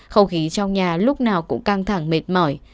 không khí trong nhà lúc nào cũng căng thẳng mệt mỏi